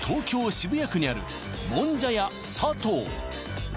渋谷区にあるもんじゃ屋さとう